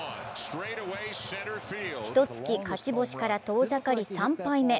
ひとつき勝ち星から遠ざかり３敗目。